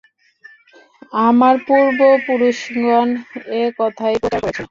আমার পূর্ব- পুরুষগণ এ-কথাই প্রচার করেছেন।